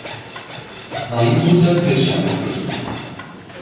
На ім будзе абвешчаны прысуд.